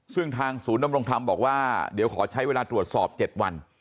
ซึ่งทางศูนย์ดำรงธรรมบอกว่าเดี๋ยวขอใช้เวลาตรวจสอบ๗วัน